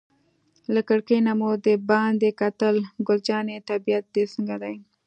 له کړکۍ نه مو دباندې کتل، ګل جانې طبیعت دې څنګه دی؟